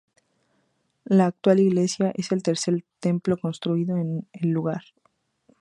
La actual iglesia es el tercer templo construido en el lugar.